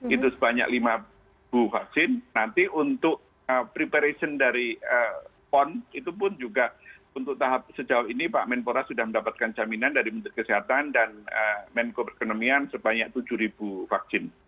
itu sebanyak lima vaksin nanti untuk preparation dari pon itu pun juga untuk tahap sejauh ini pak menpora sudah mendapatkan jaminan dari menteri kesehatan dan menko perekonomian sebanyak tujuh vaksin